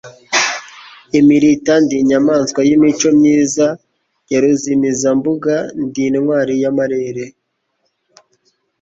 impirita ndi inyamaswa y'imico myiza, yaruzimizambuga, ndi intwari y'amarere